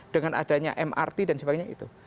dengan adanya mrt dan sebagainya itu